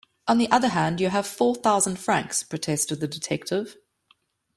"On the other hand you have four thousand francs," protested the detective.